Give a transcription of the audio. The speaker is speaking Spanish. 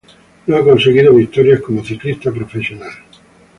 No ha conseguido victorias como ciclista profesional.